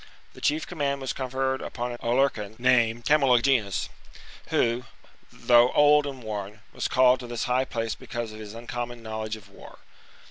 The chief command was con ferred upon an Aulercan, named Camulogenus, who, though old and worn, was called to this high place because of his uncommon knowledge of war.